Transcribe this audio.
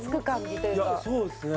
いやそうですね。